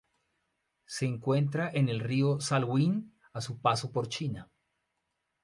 Se encuentra en el río Salween a su paso por China.